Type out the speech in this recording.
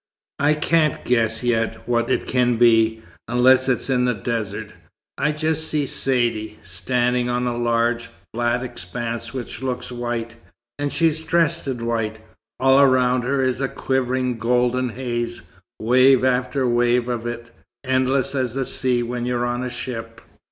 I can't guess yet what it can be, unless it's in the desert. I just see Saidee, standing on a large, flat expanse which looks white. And she's dressed in white. All round her is a quivering golden haze, wave after wave of it, endless as the sea when you're on a ship.